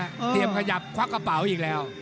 เข้ามาขอบพี่ริชีแล้วเชี่ยวคลับกระเป๋าอีกแล้ว